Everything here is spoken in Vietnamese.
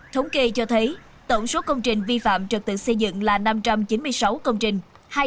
thống kê cho thấy tổng số công trình vi phạm trật tự xây dựng là năm trăm chín mươi sáu công trình